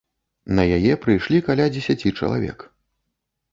На яе прыйшлі каля дзесяці чалавек.